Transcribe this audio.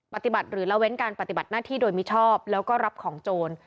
ปฏิบัติหรือละเว้นการปฏิบัติหน้าที่โดยมิชอบแล้วก็รับของโจร